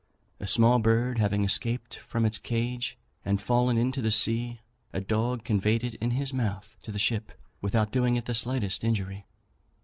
A small bird having escaped from its cage and fallen into the sea, a dog conveyed it in his mouth to the ship, without doing it the slightest injury.